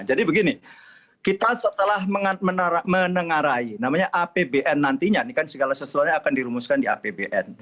jadi begini kita setelah menengarai namanya apbn nantinya ini kan segala sesuatu akan dirumuskan di apbn